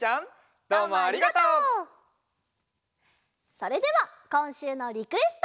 それではこんしゅうのリクエスト！